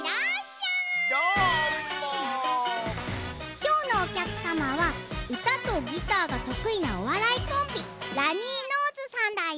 きょうのおきゃくさまはうたとギターがとくいなおわらいコンビラニーノーズさんだよ。